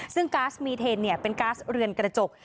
ซึ่งก๊าซมีเทนเป็นก๊าซเรือนกระจก